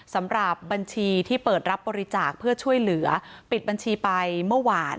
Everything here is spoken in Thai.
สำหรับบัญชีที่เปิดรับบริจาคเพื่อช่วยเหลือปิดบัญชีไปเมื่อวาน